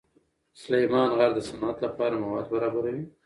سلیمان غر د صنعت لپاره مواد برابروي.